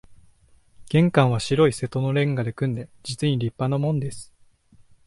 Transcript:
玄関は白い瀬戸の煉瓦で組んで、実に立派なもんです